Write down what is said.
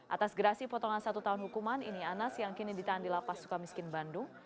atas gerasi potongan satu tahun hukuman ini anas yang kini ditahan di lapas suka miskin bandung